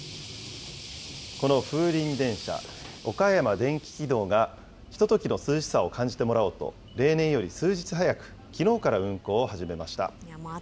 この風鈴電車、岡山電気軌道がひとときの涼しさを感じてもらおうと、例年より数日早く、きのうから運行を始めました。